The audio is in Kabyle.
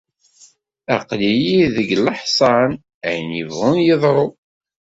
Aql-i deg leḥṣan, ayen yebɣun yeḍru.